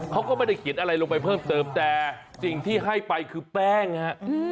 เขาก็ไม่ได้เขียนอะไรลงไปเพิ่มเติมแต่สิ่งที่ให้ไปคือแป้งฮะ